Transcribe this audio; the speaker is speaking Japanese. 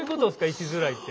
生きづらいって。